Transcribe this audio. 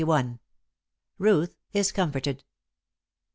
RUTH IS COMFORTED.